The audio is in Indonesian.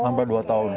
sampai dua tahun